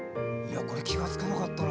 気が付かなかったな。